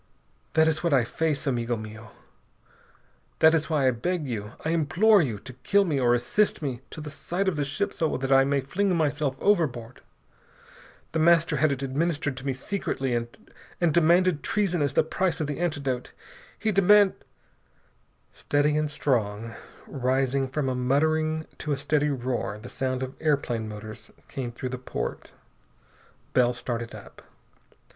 That is what I face, amigo mio. That is why I beg you, I implore you, to kill me or assist me to the side of the ship so that I may fling myself overboard! The Master had it administered to me secretly, and demanded treason as the price of the antidote. He deman "Steady and strong, rising from a muttering to a steady roar, the sound of airplane motors came through the port. Bell started up.